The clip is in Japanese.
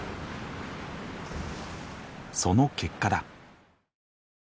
その結果だ。